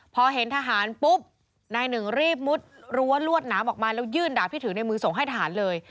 พอเห็นทหารปุ๊บนายหนึ่งรีบมุดรั้วลวดหนามออกมาแล้วยื่นดาบที่ถือในมือส่งให้ทหารเลย